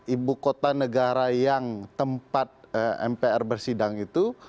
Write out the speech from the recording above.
ibu kota negara yang tempat mpr bersidang itu